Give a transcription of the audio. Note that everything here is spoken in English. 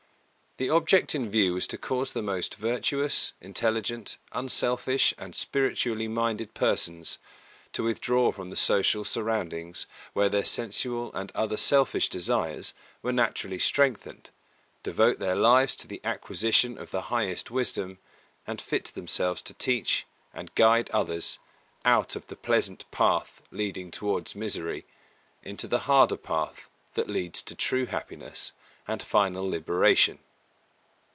The object in view was to cause the most virtuous, intelligent, unselfish and spiritually minded persons to withdraw from the social surroundings where their sensual and other selfish desires were naturally strengthened, devote their lives to the acquisition of the highest wisdom, and fit themselves to teach and guide others out of the pleasant path leading towards misery, into the harder path that leads to true happiness and final liberation.